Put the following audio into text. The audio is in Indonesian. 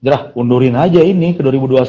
ya udah undurin aja ini ke dua ribu dua puluh satu